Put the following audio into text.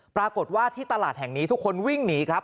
ปรากฏว่าที่ตลาดแห่งนี้ทุกคนวิ่งหนีครับ